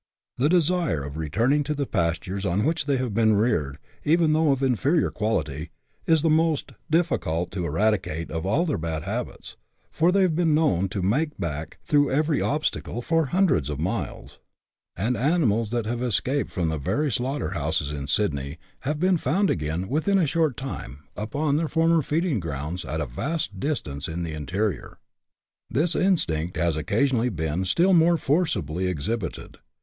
The desire of returning to the pastures on which they have been reared, even though of inferior quality, is the most difficult to eradicate of all their had habits, for they have been known to " make back " through every obstacle, for hundreds of miles ; and animals that have escaped from the very slaughter houses in Sydney have been found again, within a short time, upon their former feeding grounds at a vast distance in the interior. This instinct has occasionally been still more forcibly ex hibited.